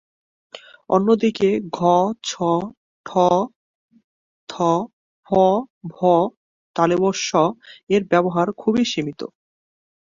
অন্যদিকে ঘ, ছ, ঠ, থ, ফ, ভ, শ এর ব্যবহার খুবই সীমিত।